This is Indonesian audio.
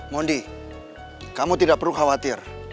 mondi kamu tidak perlu khawatir